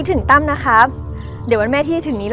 จนถึงวันนี้มาม้ามีเงิน๔ปี